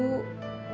jangan pikirin hati